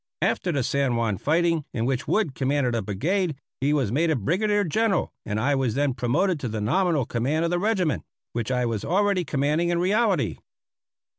After the San Juan fighting, in which Wood commanded a brigade, he was made a Brigadier General and I was then promoted to the nominal command of the regiment, which I was already commanding in reality.